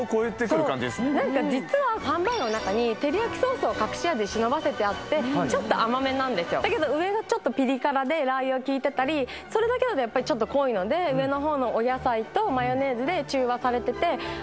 実はハンバーガーの中にてりやきソースを隠し味でしのばせてあってちょっと甘めなんですよだけど上がちょっとピリ辛でラー油がきいてたりそれだけだとやっぱりちょっと濃いので上のほうのされててが